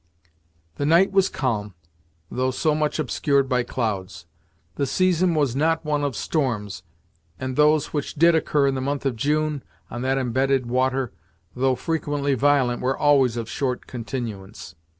The night was calm, though so much obscured by clouds. The season was not one of storms, and those which did occur in the month of June, on that embedded water, though frequently violent were always of short continuance.